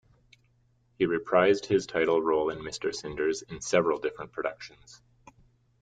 He reprised his title role in Mr. Cinders in several different productions.